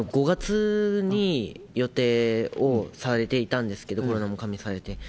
５月に予定をされていたんですけど、コロナも加味されて。